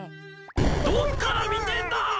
どっから見てんだ！